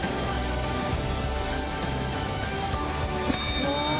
うわ！